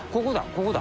ここだ。